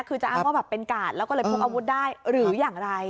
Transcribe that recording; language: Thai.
คือจะอ้างว่าแบบเป็นกาดแล้วก็เลยพกอาวุธได้หรืออย่างไร